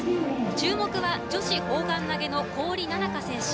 注目は女子砲丸投げの郡菜々佳選手。